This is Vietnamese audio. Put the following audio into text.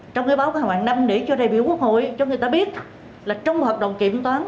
trong cái báo cáo hàng năm để cho đại biểu quốc hội cho người ta biết là trong hoạt động kiểm toán